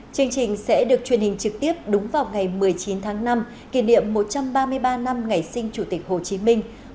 chương trình sẽ được truyền hình trực tiếp đúng vào ngày một mươi chín tháng năm kỷ niệm một trăm ba mươi ba năm ngày sinh chủ tịch hồ chí minh